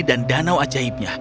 dan danau ajaibnya